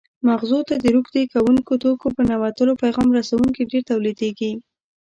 مغزو ته د روږدي کوونکو توکو په ننوتلو پیغام رسوونکي ډېر تولیدېږي.